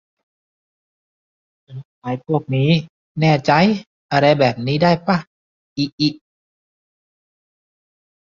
"จะลบไฟล์พวกนี้ แน่ใจ๊ ?" อะไรแบบนี้ได้ป่ะ อิอิ